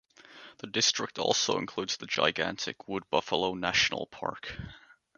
The district also includes the gigantic Wood Buffalo National Park.